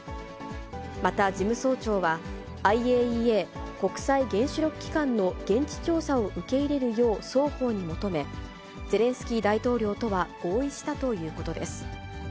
また事務総長は、ＩＡＥＡ・国際原子力機関の現地調査を受け入れるよう双方に求め、ゼレンスキー大統領とは合意したということです。